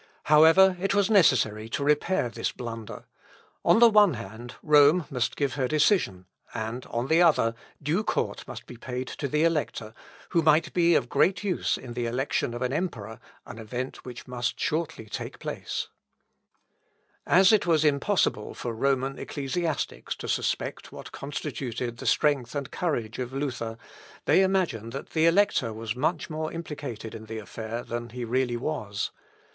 However, it was necessary to repair this blunder. On the one hand, Rome must give her decision, and, on the other, due court must be paid to the Elector, who might be of great use in the election of an emperor, an event which must shortly take place. Sarpi, Council of Trent, p. 8. As it was impossible for Roman ecclesiastics to suspect what constituted the strength and courage of Luther, they imagined that the Elector was much more implicated in the affair than he really was.